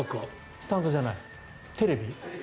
スタンドじゃない？テレビ？